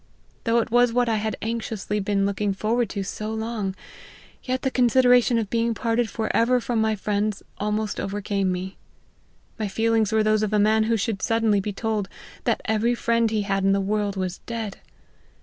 Though it was what I had anxiously been looking forward to so long, yet the consideration of being parted for ever from my friends, almost x vercame me. My feelings were those of a man who should suddenly be told, that every friend he had in the world was dead.